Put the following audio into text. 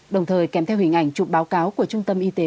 đồng thời kèm theo hình ảnh chụp báo cáo của trung tâm y tế